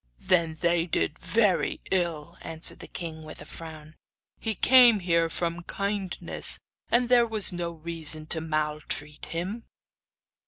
'Then they did very ill,' answered the king, with a frown. 'He came here from kindness, and there was no reason to maltreat him.